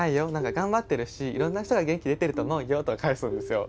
頑張ってるしいろんな人が元気出てると思うよ」とか返すんですよ。